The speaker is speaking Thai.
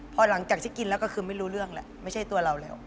พอหลังจากที่กินแล้วก็คือไม่รู้เรื่องแล้วไม่ใช่ตัวเราแล้ว